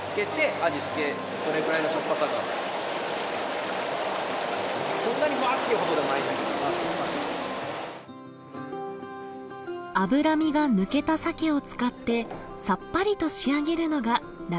脂身が抜けた鮭を使ってさっぱりと仕上げるのが羅臼流。